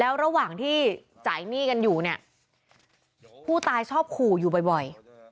ระหว่างที่จ่ายหนี้กันอยู่เนี่ยผู้ตายชอบขู่อยู่บ่อย